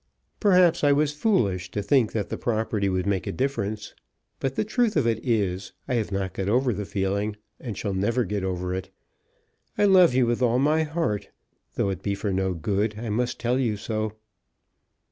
"Perhaps I was foolish to think that the property would make a difference. But the truth of it is, I have not got over the feeling, and shall never get over it. I love you with all my heart, and though it be for no good, I must tell you so."